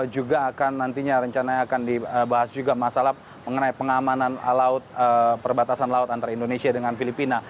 juga akan nantinya rencananya akan dibahas juga masalah mengenai pengamanan perbatasan laut antara indonesia dengan filipina